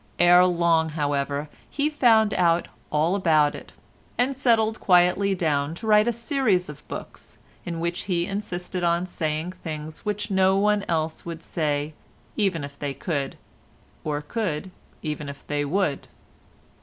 Ere long, however, he found out all about it, and settled quietly down to write a series of books, in which he insisted on saying things which no one else would say even if they could, or could even if they would.